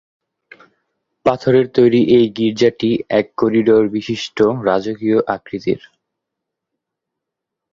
পাথরের তৈরি এই গির্জাটি একক করিডোর বিশিষ্ট রাজকীয় আকৃতির।